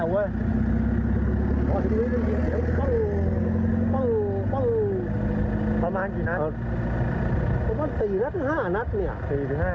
ต้องต้องต้องประมาณกี่นัดประมาณ๔๕นัดเนี่ย